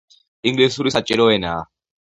ინგლისური საჭირო ენაა.